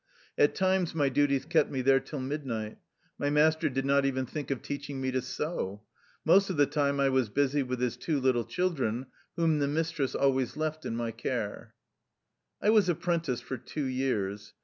At times my duties kept me there till midnight. My master did not even think of teaching me to sew. Most of the time I was busy with his two little children, whom the mistress always left in my care. I was apprenticed for two years.